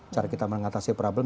cara kita mengatasi problem